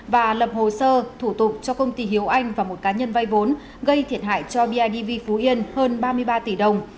và lập hồ sơ thủ tục cho công ty hiếu anh và một cá nhân vay vốn gây thiệt hại cho bidv phú yên hơn ba mươi ba tỷ đồng